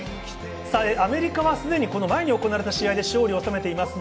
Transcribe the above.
アメリカはすでにこの前の試合で勝利を収めています。